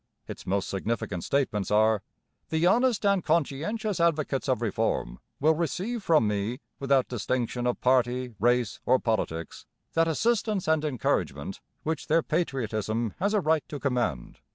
Its most significant statements are: 'The honest and conscientious advocates of reform ... will receive from me, without distinction of party, race, or politics, that assistance and encouragement which their patriotism has a right to command